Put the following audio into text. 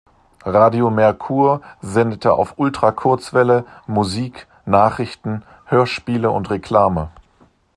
Radio Mercur sendete auf Ultrakurzwelle Musik, Nachrichten, Hörspiele und Reklame.